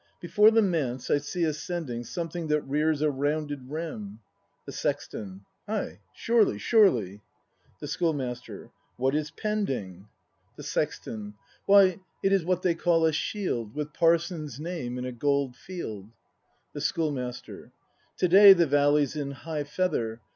Before the Manse I see ascend ins: Something that rears a rounded rim The Sexton. Ay, surely, surely! The Schoolivl\ster. What is pending? 213 214 BRAND [act v The Sexton. Why, it is what they call a shield With Parson's name in a gold field. The Schoolmaster. To day the valley's in high feather.